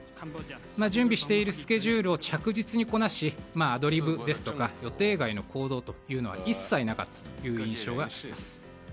準備しているスケジュールを着実にこなしアドリブですとか予定外の行動というのは一切なかったという印象があります。